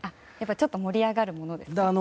ちょっと盛り上がるものですか？